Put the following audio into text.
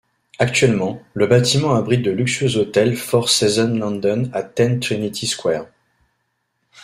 Actuellement, le bâtiment abrite le luxueux Hôtel Four Seasons London at Ten Trinity Square.